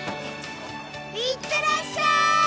いってらっしゃい！